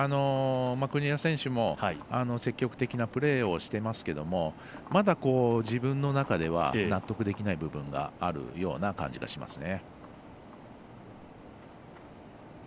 国枝選手も積極的なプレーをしていますけれどもまだ、自分の中では納得できない部分があるような感じがしますね。